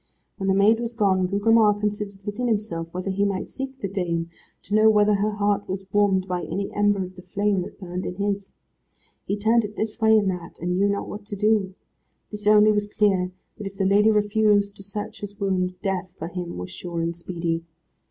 When the maid was gone, Gugemar considered within himself whether he might seek the dame, to know whether her heart was warmed by any ember of the flame that burned in his. He turned it this way and that, and knew not what to do. This only was clear, that if the lady refused to search his wound, death, for him, was sure and speedy.